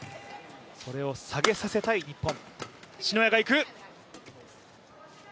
それを下げさせたい日本。